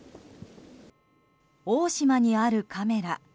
大島にあるカメラ。